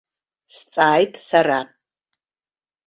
Сҵааит сара.